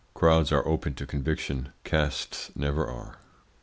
Crowds are open to conviction; castes never are.